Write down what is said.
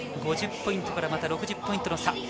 ５０ポイントから６０ポイントの差。